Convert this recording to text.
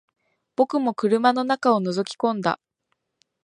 僕も車の中を覗き込んだ